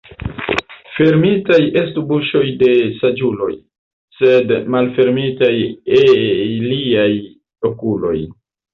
Fermitaj estu buŝoj de saĝuloj, sed malfermitaj iliaj okuloj.